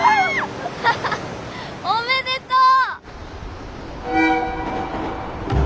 アハハッおめでとう！